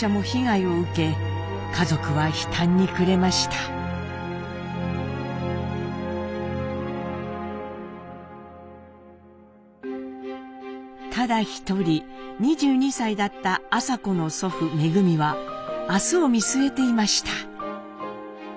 ただ一人２２歳だった麻子の祖父恩は明日を見据えていました。